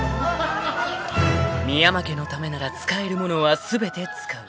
［深山家のためなら使えるものは全て使う］